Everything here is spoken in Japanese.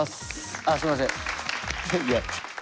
あっすんません。